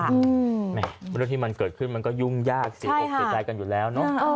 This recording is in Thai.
เรื่องที่มันเกิดขึ้นมันก็ยุ่งยากเสียอกเสียใจกันอยู่แล้วเนอะ